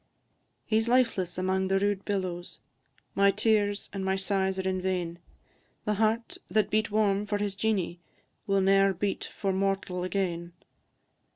"_ He 's lifeless amang the rude billows, My tears and my sighs are in vain; The heart that beat warm for his Jeanie, Will ne'er beat for mortal again.